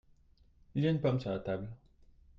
Il y a une pomme sur la table.